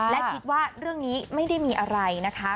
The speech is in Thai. และคิดว่าเรื่องนี้ไม่ได้มีอะไรนะคะ